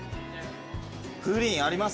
プリンありますね。